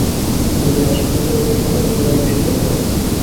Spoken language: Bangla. যদি হাসি বন্ধ করতে না পার তাহলে অবশ্যই চলে যাবে।